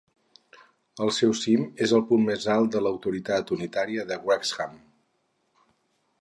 El seu cim és el punt més alt de l'autoritat unitària de Wrexham.